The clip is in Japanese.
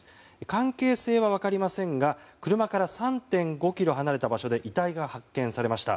関係性は分かりませんが車から３．５ｋｍ離れた場所で遺体が発見されました。